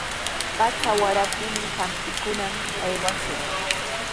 Pacha waraptinmi hampikuqman aywashun.